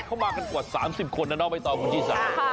เข้ามากันกว่า๓๐คนนะเนอะไปต่อวงจีสาว